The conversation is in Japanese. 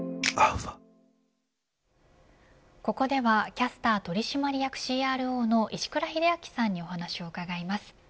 ここではキャスター取締役ＣＲＯの石倉秀明さんにお話を伺います。